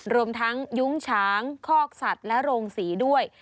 รวมทั้งยุ้งฉางคอกสัตว์และโรงศรีด้วย